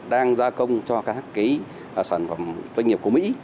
đang gia công cho các cái sản phẩm doanh nghiệp của mỹ